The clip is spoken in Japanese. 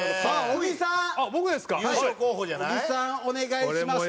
小木さんお願いします。